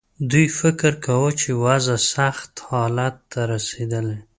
دوی فکر کاوه چې وضع سخت حالت ته رسېدلې.